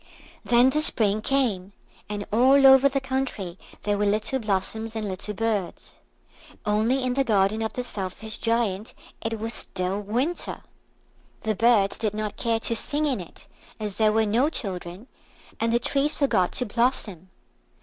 Then the Spring came, and all over the country there were little blossoms and little birds. Only in the garden of the Selfish Giant it was still winter. The birds did not care to sing in it as there were no children, and the trees forgot to blossom.